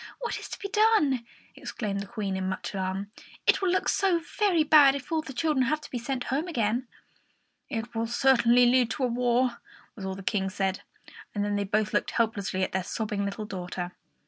What is to be done?" exclaimed the Queen, in much alarm. "It will look so very bad if all the children have to be sent home again!" "It will certainly lead to a war," was all the King said; and then they both looked helplessly at their sobbing little daughter.